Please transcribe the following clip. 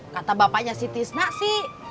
kata bapaknya si tisna sih